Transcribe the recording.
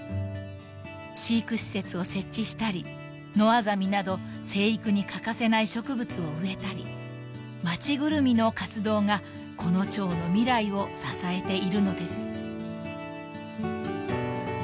［飼育施設を設置したりノアザミなど成育に欠かせない植物を植えたり町ぐるみの活動がこのチョウの未来を支えているのです］